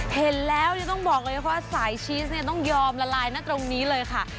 เห็นแล้วต้องบอกเลยว่าสายชีสเนี่ยต้องยอมละลายนะตรงนี้เลยค่ะ